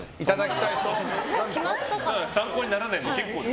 参考にならないんで結構です。